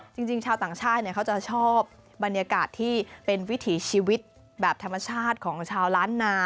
จริงชาวต่างชาติเขาจะชอบบรรยากาศที่เป็นวิถีชีวิตแบบธรรมชาติของชาวล้านนา